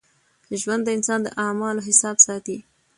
ژوند د انسان د اعمالو حساب ساتي.